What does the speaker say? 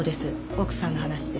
奥さんの話で。